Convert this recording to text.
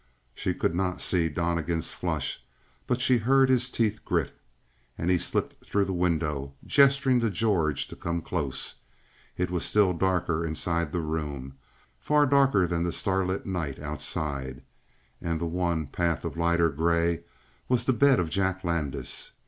She could not see Donnegan's flush, but she heard his teeth grit. And he slipped through the window, gesturing to George to come close. It was still darker inside the room far darker than the starlit night outside. And the one path of lighter gray was the bed of Jack Landis.